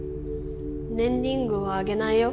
ねんリングはあげないよ。